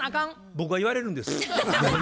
僕が言われるんです。